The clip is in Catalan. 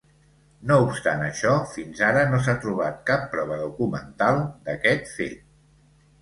No obstant això, fins ara no s'ha trobat cap prova documental d'aquest fet.